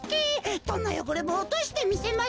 どんなよごれもおとしてみせます。